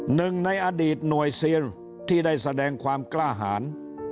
หนึ่งในอดีตหน่วยซีนที่ได้แสดงความกล้าหาร